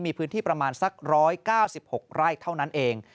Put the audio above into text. มีพื้นที่ประมาณสัก๑๙๖ไร่เท่านั้นเอง